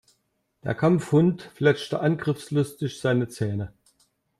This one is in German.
Der Kampfhund fletschte angriffslustig seine Zähne.